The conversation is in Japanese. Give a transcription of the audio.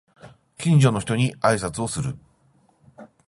近所の人に挨拶をする